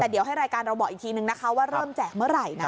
แต่เดี๋ยวให้รายการเราบอกอีกทีนึงนะคะว่าเริ่มแจกเมื่อไหร่นะ